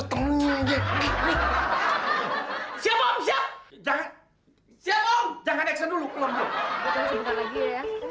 kita bisa sebentar lagi ya